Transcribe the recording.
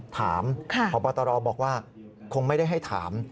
ถามพบตรบอกว่าคงไม่ได้ให้ถาม